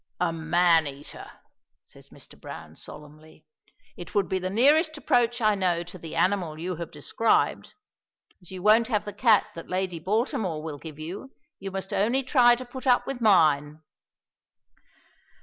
"A man eater," says Mr. Browne, solemnly. "It would be the nearest approach I know to the animal you have described. As you won't have the cat that Lady Baltimore will give you, you must only try to put up with mine."